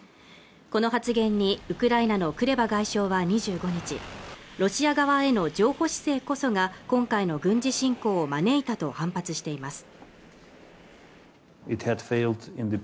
この発言にウクライナのクレバ外相は２５日ロシア側への譲歩姿勢こそが今回の軍事侵攻を招いたと反発しています